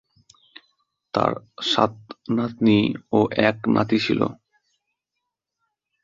তার সাত নাতনী ও এক নাতি ছিল।